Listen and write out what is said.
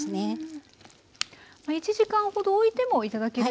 １時間ほどおいても頂ける。